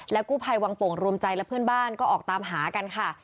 กู้ภัยวังโป่งรวมใจและเพื่อนบ้านก็ออกตามหากันค่ะ